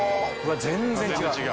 全然違う！